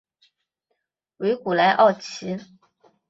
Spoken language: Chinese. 维古莱奥齐。